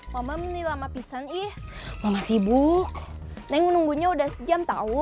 mama menilai mapisan ih mama sibuk neng nunggunya udah sejam tahu